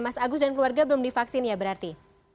mas agus dan keluarga belum divaksin ya berarti